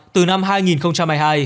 từ năm hai nghìn hai mươi hai